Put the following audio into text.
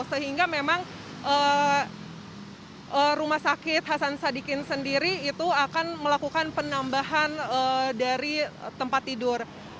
sehingga memang rumah sakit hasan sadikin sendiri itu akan melakukan penambahan dari tempat tidur